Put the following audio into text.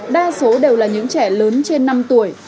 đa số đều là những trẻ lớn trên năm tuổi